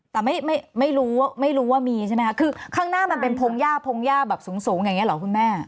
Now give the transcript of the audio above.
แต่ไม่รู้ไม่รู้ว่ามีใช่ไหมคะคือข้างหน้ามันเป็นพงหญ้าพงหญ้าแบบสูงอย่างนี้เหรอคุณแม่